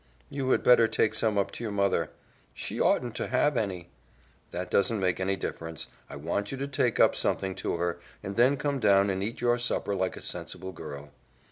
"You had better take some up to your mother." "She oughtn't to have any." "That doesn't make any difference. I want you to take up something to her, and then come down and eat your supper like a sensible girl."